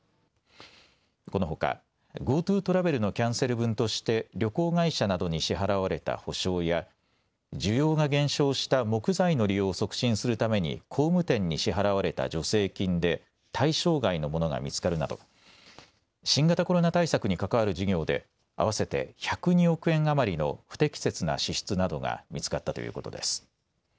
このほか、ＧｏＴｏトラベルのキャンセル分として、旅行会社などに支払われた補償や、需要が減少した木材の利用を促進するために工務店に支払われた助成金で、対象外のものが見つかるなど、新型コロナ対策に関わる事業で、合わせて１０２億円余りの不適切な支出などが見つかったということです。